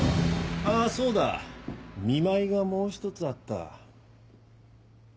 あぁそうだ見舞いがもう一つあった。